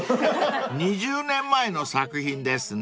［２０年前の作品ですね］